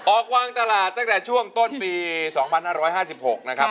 ออกวางตลาดตั้งแต่ช่วงต้นปี๒๕๕๖นะครับ